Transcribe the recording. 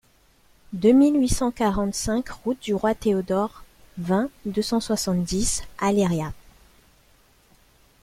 deux mille huit cent quarante-cinq route du Roi Théodore, vingt, deux cent soixante-dix, Aléria